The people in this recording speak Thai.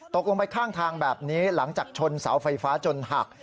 ตกลงไปข้างทางแบบนี้หลังจากชนเสาไฟฟ้าจนหัก